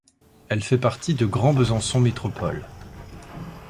Elle fait partie de Grand Besançon Métropole.